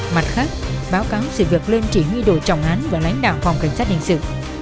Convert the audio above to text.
mặt khác báo cáo sự việc lên chỉ huy đội trọng án và lãnh đạo phòng cảnh sát hình sự